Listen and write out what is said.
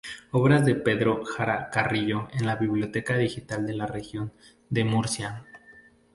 Obras de Pedro Jara Carrillo en la Biblioteca Digital de la Región de Murcia